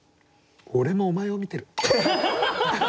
俺もお前を見てる。